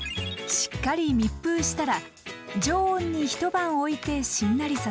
しっかり密封したら常温に一晩おいてしんなりさせます。